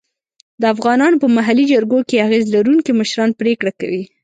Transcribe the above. د افغانانو په محلي جرګو کې اغېز لرونکي مشران پرېکړه کوي.